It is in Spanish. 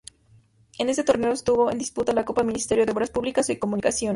En este torneo estuvo en disputa la Copa Ministerio de Obras Públicas y Comunicaciones.